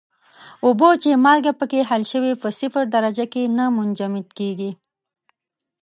اوبه چې مالګه پکې حل شوې په صفر درجه کې نه منجمد کیږي.